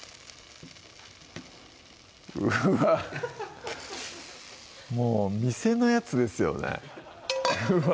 うわっもう店のやつですよねうわ